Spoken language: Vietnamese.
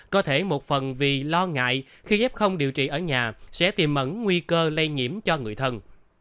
có thể một phần vì lo ngại khi f điều trị ở nhà sẽ tiềm mẫn nguy cơ lây nhiễm cho người thân